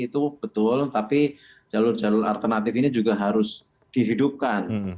itu betul tapi jalur jalur alternatif ini juga harus dihidupkan